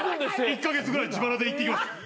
１カ月ぐらい自腹で行ってきます。